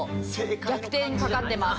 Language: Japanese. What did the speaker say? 逆転かかってます。